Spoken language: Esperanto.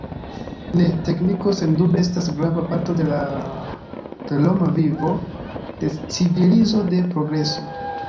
Ne, tekniko sendube estas grava parto de l’ homa vivo, de civilizo, de progreso.